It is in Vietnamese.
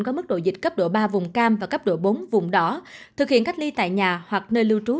có mức độ dịch cấp độ ba vùng cam và cấp độ bốn vùng đỏ thực hiện cách ly tại nhà hoặc nơi lưu trú